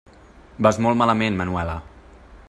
Vas molt malament, Manuela.